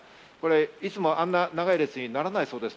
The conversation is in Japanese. いつもあんなに長い列にならないそうです。